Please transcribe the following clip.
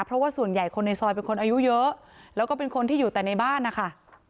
เพราะว่าส่วนใหญ่คนในซอยเป็นคนอายุเยอะแล้วก็เป็นคนที่อยู่แต่ในบ้านนะคะ